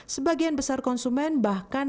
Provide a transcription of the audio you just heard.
sebagian besar konsumen bahkan